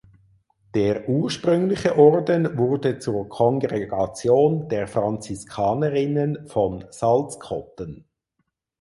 Der ursprüngliche Orden wurde zur Kongregation der Franziskanerinnen von Salzkotten.